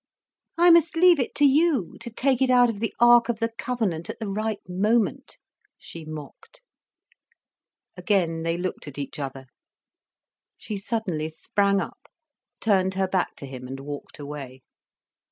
"I must leave it to you, to take it out of the Ark of the Covenant at the right moment," she mocked. Again they looked at each other. She suddenly sprang up, turned her back to him, and walked away.